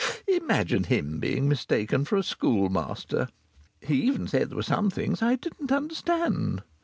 Imagine him being mistaken for a schoolmaster! He even said there were some things I didn't understand!